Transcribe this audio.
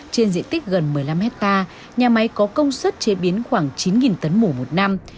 trên diện tích gần một mươi năm hectare nhà máy có công suất chế biến khoảng chín tấn mũ một năm